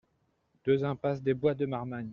deux impasse des Bois de Marmagne